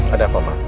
ada apa ma